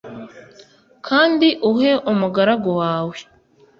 kandi uhe umugaragu wawe .